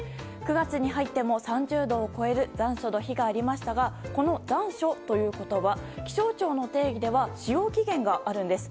９月に入っても３０度を超える残暑の日がありましたがこの残暑という言葉気象庁の定義では使用期限があるんです。